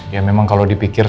ya memang kalau dipikir